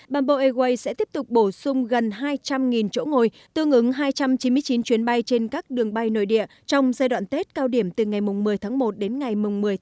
bamboo airways sẽ tiếp tục bổ sung gần hai trăm linh chỗ ngồi tương ứng hai trăm chín mươi chín chuyến bay trên các đường bay nội địa trong giai đoạn tết cao điểm từ ngày một mươi một đến ngày một mươi hai hai nghìn hai mươi